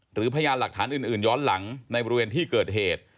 พยานหลักฐานอื่นย้อนหลังในบริเวณที่เกิดเหตุ